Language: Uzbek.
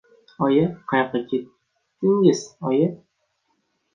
— Oyi! Qayoqqa ketdidz, oyi!